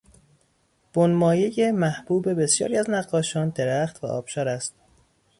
بنمایهی محبوب بسیاری از نقاشان، درخت و آبشار است.